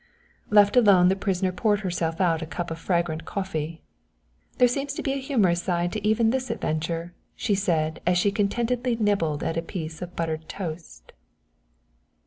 Left alone the prisoner poured herself out a cup of fragrant coffee. "There seems to be a humorous side to even this adventure," she said as she contentedly nibbled at a piece of buttered toast.